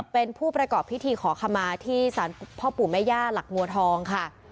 เป็นผู้ประกอบพิธีขอขมาที่สารพ่อปู่แม่ย่าหลักบัวทองค่ะ